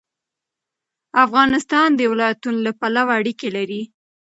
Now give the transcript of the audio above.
افغانستان د ولایتونو له پلوه اړیکې لري.